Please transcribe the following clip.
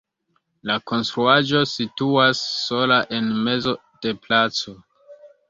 La konstruaĵo situas sola en mezo de placo.